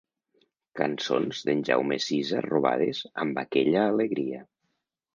Cançons d'en Jaume Sisa robades amb aquella alegria.